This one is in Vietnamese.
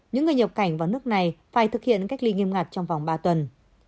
những người nhập cảnh vào nước này phải thực hiện cách ly nghiêm ngặt trong vòng ba tuần